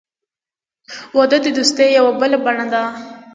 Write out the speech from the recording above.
• واده د دوستۍ یوه بله بڼه ده.